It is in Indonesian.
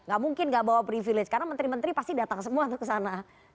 gak mungkin gak bawa privilege karena menteri menteri pasti datang semua tuh ke sana